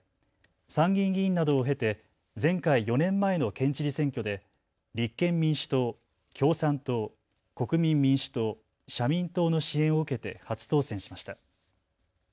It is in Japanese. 参議院議員などを経て前回４年前の県知事選挙で立憲民主党、共産党、国民民主党、社民党の支援を受けて初当選しました。